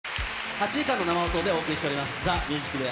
８時間の生放送でお送りしております、ＴＨＥＭＵＳＩＣＤＡＹ